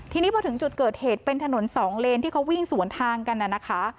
ทีนี้พอถึงจุดเกิดเหตุเป็นถนนสองเลนที่เขาวิ่งสวนทางกันน่ะนะคะ